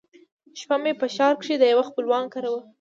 شپه مې په ښار کښې د يوه خپلوان کره وه.